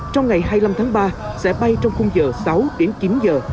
trong ngày hai mươi năm tháng ba sẽ bay trong khung giờ sáu đến chín giờ